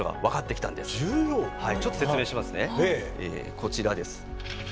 こちらです。